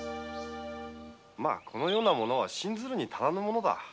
このようなものは信じるに足りぬものだ。